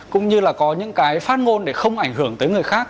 cũng như là có những cái phát ngôn để không ảnh hưởng tới người khác